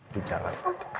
di jalan itu